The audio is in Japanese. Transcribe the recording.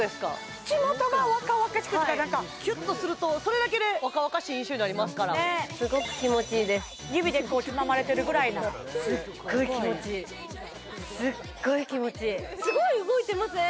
口元が若々しくなんかキュッとするとそれだけで若々しい印象になりますからすごく指でこうつままれてるぐらいなすっごい気持ちいいすっごい気持ちいいすごい動いてません？